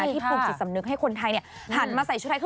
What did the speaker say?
ที่ปลูกจิตสำนึกให้คนไทยหันมาใส่ชุดไทย